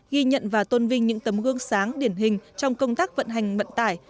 ghi nhận và tôn vinh những tấm gương sáng điển hình trong công tác vận hành vận tải